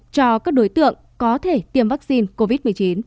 cho các đối tượng có thể tiêm vaccine covid một mươi chín